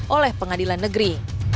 oleh pengadilan negeri